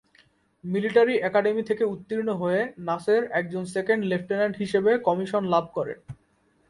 Military academy থেকে উত্তীর্ণ হয়ে নাসের একজন সেকেন্ড লেফটেন্যান্ট হিসেবে কমিশন লাভ করেন।